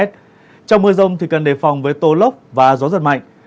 trong mưa rông thì cần đề phòng với tô lốc và gió giật mạnh